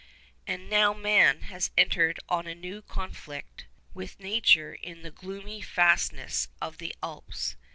And now man has entered on a new conflict with nature in the gloomy fastnesses of the Alps.